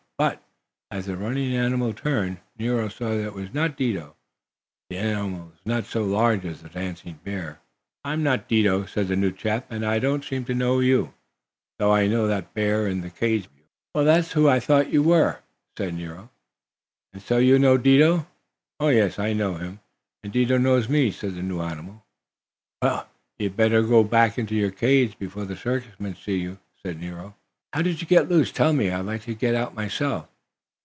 But as the running animal turned, Nero saw that it was not Dido. This animal was not so large as the dancing bear. "I'm not Dido," said the new chap. "And I don't seem to know you, though I know that bear in the cage back of you." "Why, that's who I thought you were," said Nero. "And so you know Dido?" "Oh, yes, I know him, and Dido knows me," said the new animal. "Well, you'd better go back into your cage before the circus men see you," said Nero. "How did you get loose? Tell me? I'd like to get out myself."